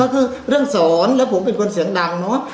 ก็คือเรื่องสอนแล้วผมเป็นคนเสียงดังเนอะ